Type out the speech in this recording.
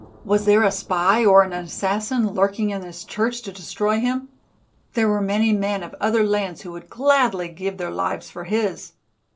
Was there a spy or an assassin lurking in his church to destroy him? There were many men of other lands who would gladly give their lives for his.